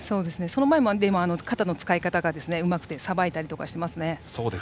その前も肩の使い方がうまくてさばいたりとかしていますね。